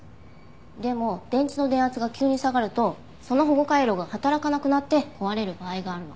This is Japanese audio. でも電池の電圧が急に下がるとその保護回路が働かなくなって壊れる場合があるの。